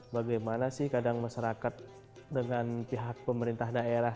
bagaimana sih kadang masyarakat dengan pihak pemerintah daerah